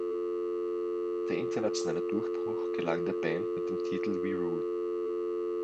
Der internationale Durchbruch gelang der Band mit dem Titel "Wee Rule".